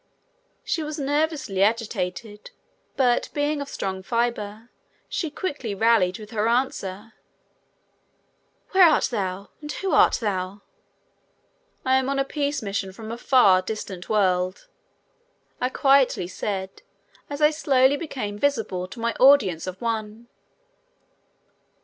She was nervously agitated, but being of strong fibre she quickly rallied with her answer, "Where art thou and who art thou?" "I am on a peace mission from a far distant world," I quietly said as I slowly became visible to my audience of one.